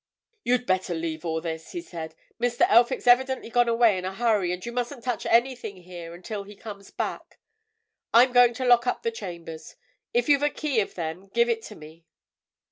"You'd better leave all this," he said. "Mr. Elphick's evidently gone away in a hurry, and you mustn't touch anything here until he comes back. I'm going to lock up the chambers: if you've a key of them give it to me."